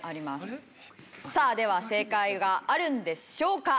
さあでは正解があるんでしょうか？